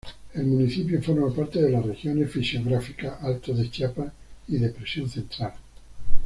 El municipio forma parte de las regiones fisiográficas Altos de Chiapas y Depresión Central.